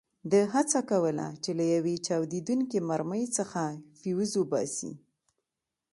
ده هڅه کوله چې له یوې چاودېدونکې مرمۍ څخه فیوز وباسي.